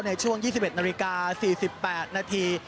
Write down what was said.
ในช่วง๒๑นาฬิกา๔๘นาที